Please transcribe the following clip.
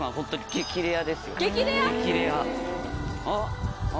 激レア。